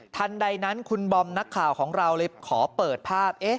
ทันใดนั้นคุณบอมนักข่าวของเราเลยขอเปิดภาพ